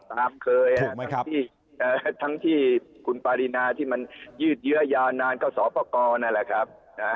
ถูกไหมครับทั้งที่คุณปารินาที่มันยืดเยอะยานานก็สอปกรณ์นั่นแหละครับ